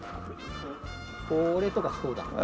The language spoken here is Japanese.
これとかそうだな。